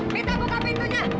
kita buka pintunya